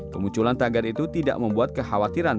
kemunculan tagar itu tidak membuat kekhawatiran